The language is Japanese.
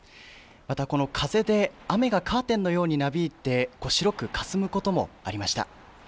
またこの風で雨がカーテンのようになびいて、白くかすむこともありました。